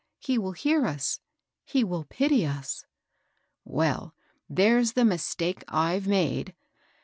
He will hear us, — he will pity us.' Well, there's the mistake I've made.